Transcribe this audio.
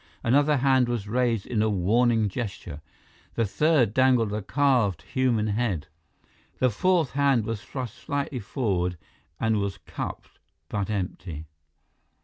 Another hand was raised in a warning gesture. The third dangled a carved human head. The fourth hand was thrust slightly forward and was cupped, but empty.